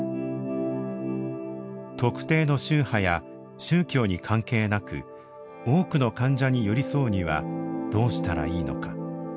特定の宗派や宗教に関係なく多くの患者に寄り添うにはどうしたらいいのか。